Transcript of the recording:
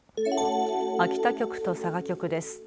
秋田局と佐賀局です。